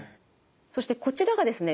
そしてこちらがですね